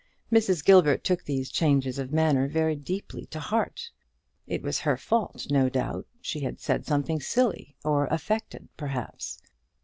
Mrs. Gilbert took these changes of manner very deeply to heart. It was her fault, no doubt; she had said something silly; or affected, perhaps.